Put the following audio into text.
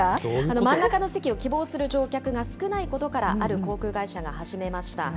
真ん中の席を希望する乗客が少ないことから、ある航空会社が始めました。